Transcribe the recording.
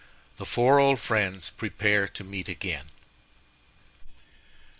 The four old Friends prepare to meet again.